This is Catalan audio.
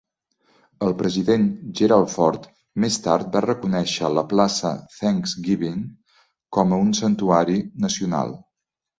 El president Gerald Ford més tard va reconèixer la plaça Thanks-Giving com a un santuari nacional.